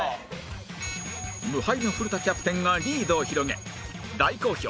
無敗の古田キャプテンがリードを広げ大好評